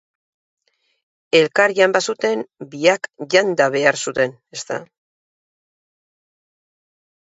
Elkar jan bazuten, biak janda behar zuten, ezta?